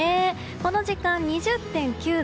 この時間、２０．９度。